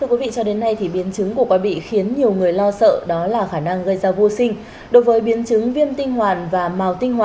qua đây thì em cũng muốn nhắn nhủ tới các cặp vợ chồng vô sinh